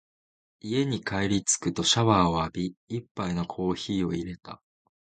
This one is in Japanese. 家に帰りつくとシャワーを浴び、一杯のコーヒーを淹れた。